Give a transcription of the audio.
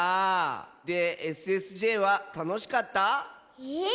でＳＳＪはたのしかった？え？